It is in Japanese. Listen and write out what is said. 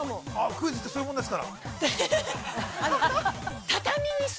◆クイズってそういうもんですから。